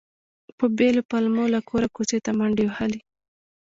په بېلو پلمو له کوره کوڅې ته منډې وهلې.